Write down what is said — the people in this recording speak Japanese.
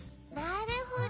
なるほど。